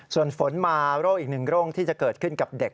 ส่วนฝนมาโรคอีกหนึ่งโรคที่จะเกิดขึ้นกับเด็ก